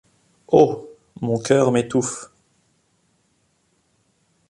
Oh! mon cœur m’étouffe.